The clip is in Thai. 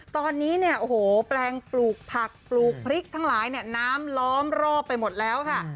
ตอนนี้เนี่ยโอ้โหแปลงปลูกผักปลูกพริกทั้งหลายเนี่ยน้ำล้อมรอบไปหมดแล้วค่ะ